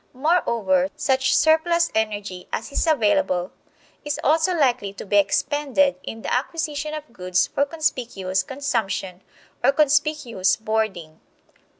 Moreover, such surplus energy as is available is also likely to be expended in the acquisition of goods for conspicuous consumption or conspicuous boarding.